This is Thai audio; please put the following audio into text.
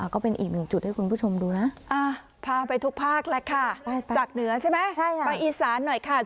ก็เป็นอีกหนึ่งจุดให้คุณผู้ชมดูนะ